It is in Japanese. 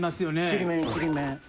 ちりめんちりめん。